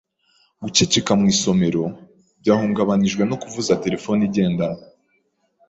Guceceka mu isomero byahungabanijwe no kuvuza terefone igendanwa.